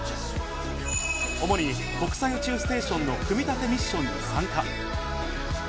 主に国際宇宙ステーションの組み立てミッションに参加。